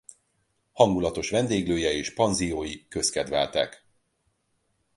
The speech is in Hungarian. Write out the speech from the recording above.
Hangulatos vendéglője és panziói közkedveltek.